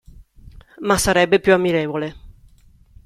Ma sarebbe più ammirevole.